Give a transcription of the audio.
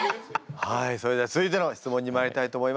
はいそれでは続いての質問にまいりたいと思います。